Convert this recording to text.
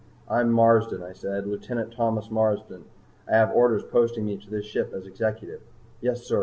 "I'm Marsden," I said. "Lieutenant Thomas Marsden. I have orders posting me to this ship as Executive." "Yes, sir.